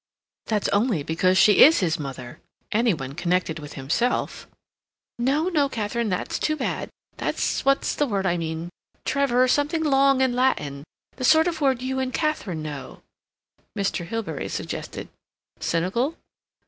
"That's only because she is his mother. Any one connected with himself—" "No, no, Katharine—that's too bad. That's—what's the word I mean, Trevor, something long and Latin—the sort of word you and Katharine know—" Mr. Hilbery suggested "cynical."